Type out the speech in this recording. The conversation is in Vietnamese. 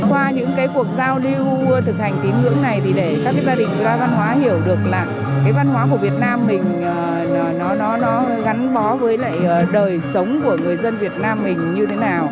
qua những cuộc giao lưu thực hành tín hưởng này để các gia đình văn hóa hiểu được là văn hóa của việt nam mình gắn bó với đời sống của người dân việt nam mình như thế nào